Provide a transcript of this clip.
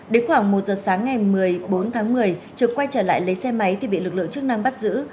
đến khoảng một giờ sáng ngày một mươi bốn tháng một mươi trực quay trở lại lấy xe máy thì bị lực lượng chức năng bắt giữ